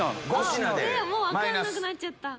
もう分かんなくなっちゃった！